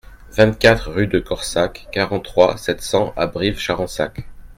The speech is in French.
vingt-quatre rue de Corsac, quarante-trois, sept cents à Brives-Charensac